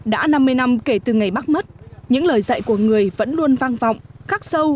đã năm mươi năm kể từ ngày bác mất những lời dạy của người vẫn luôn vang vọng khắc sâu